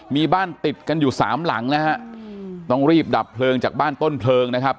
มีบ้านติดกันอยู่สามหลังนะฮะต้องรีบดับเพลิงจากบ้านต้นเพลิงนะครับ